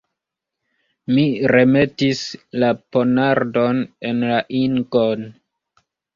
Mi remetis la ponardon en la ingon.